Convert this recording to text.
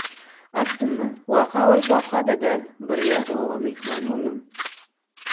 Aslynda, waka bolup waka-da däl, bir ýat oba myhman boldum.